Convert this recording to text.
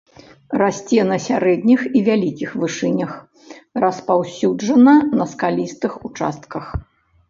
Расце на сярэдніх і вялікіх вышынях, распаўсюджана на скалістых участках.